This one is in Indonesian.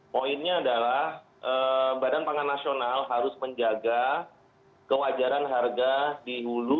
poinnya adalah badan pangan nasional harus menjaga kewajaran harga di hulu